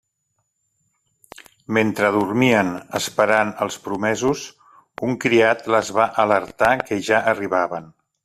Mentre dormien esperant els promesos, un criat les va alertar que ja arribaven.